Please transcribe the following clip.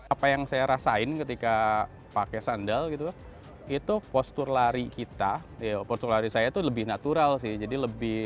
apa yang saya rasain ketika pakai sandal gitu itu postur lari kita postur lari saya itu lebih natural sih jadi lebih